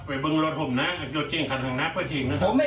ไปเบิ่งรถห่วงน้ำห่วงน้ำผมไม่เข้าใจละรถคุณจะถอดทำไม